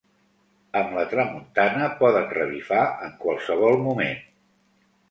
Amb la tramuntana poden revifar en qualsevol moment.